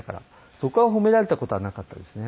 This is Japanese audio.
そこは褒められた事はなかったですね。